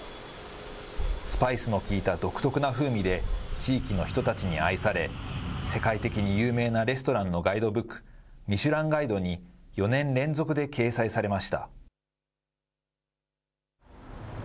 スパイスの効いた独特の風味で、地域の人たちに愛され、世界的に有名なレストランのガイドブック、ミシュランガイドに４年連続で掲載されました。